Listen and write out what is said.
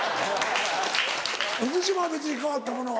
福島は別に変わったものは？